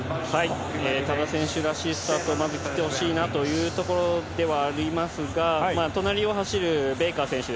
多田選手らしいスタートを見せてほしいなというところではありますが、隣を走るベイカー選手。